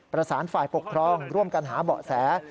ประสานฝ่ายปกครองร่วมกันหาเบาะแส